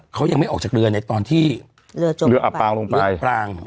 เขายังไม่ออกจากเรือในตอนที่เรือจมเรืออับปางลงไปอำพราง